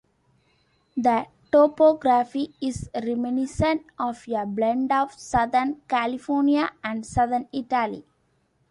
The topography is reminiscent of a blend of Southern California and Southern Italy.